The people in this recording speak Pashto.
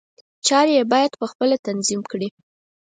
چارې یې باید په خپله تنظیم کړي.